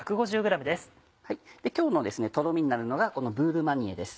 今日のトロミになるのがこのブールマニエです。